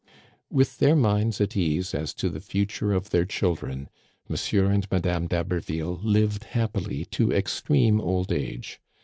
With their minds at ease as to the future of their children, M. and Madame d'Haberville lived happily to extreme old age.